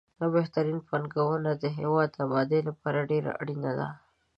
بهرنۍ پانګونه د هېواد د آبادۍ لپاره ډېره اړینه ده.